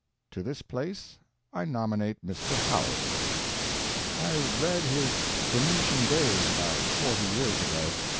To this place I nominate Mr. Howells. I read his Venetian Days about forty years ago.